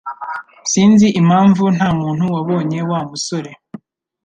Sinzi impamvu ntamuntu wabonye Wa musore